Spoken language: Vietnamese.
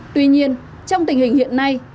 tuy nhiên trong tình hình hiện nay